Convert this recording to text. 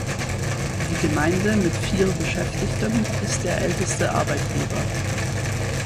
Die Gemeinde mit vier Beschäftigten ist der älteste Arbeitgeber.